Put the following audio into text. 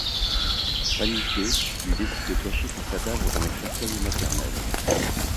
Paniqué, il décide de cacher son cadavre dans le cercueil maternel.